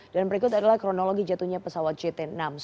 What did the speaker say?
dan berikut adalah kronologi jatuhnya pesawat jt enam ratus sepuluh